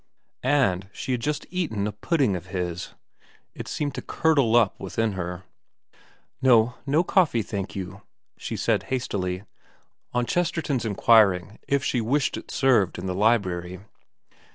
And she had just eaten a pudding of his. It seemed to curdle up within her. ' No, no cofiee, thank you,' she said hastily, on Chesterton's inquiring if she wished it served in the library.